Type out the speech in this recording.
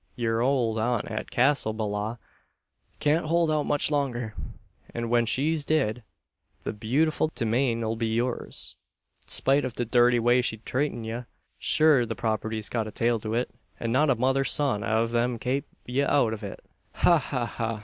Yer owld aunt at Castle Ballagh can't howld out much longer; an when she's did, the bewtiful demane 'll be yours, spite av the dhirty way she's thratin' ye. Shure the property's got a tail to it; an not a mother's son av them can kape ye out av it!" "Ha! ha! ha!"